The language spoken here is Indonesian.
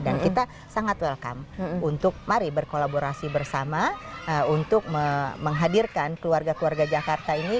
kita sangat welcome untuk mari berkolaborasi bersama untuk menghadirkan keluarga keluarga jakarta ini